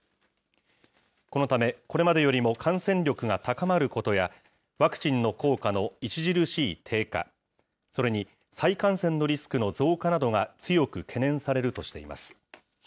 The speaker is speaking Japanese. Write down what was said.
このため、これまでよりも感染力が高まることや、ワクチンの効果の著しい低下、それに再感染のリスクの増加などが強く懸念されるとしています。